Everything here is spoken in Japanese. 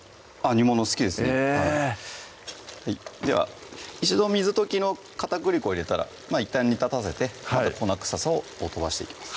煮物好きですねへぇでは一度水溶きの片栗粉入れたらいったん煮立たせてまた粉臭さを飛ばしていきます